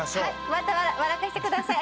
また笑かしてください。